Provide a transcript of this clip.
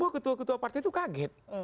bahwa ketua ketua partai itu kaget